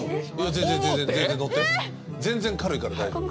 全然軽いから大丈夫